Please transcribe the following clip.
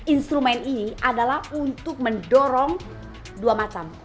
instrumen ini adalah untuk mendorong dua macam